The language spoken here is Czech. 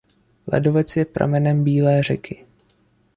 Ledovec je pramenem Bílé řeky.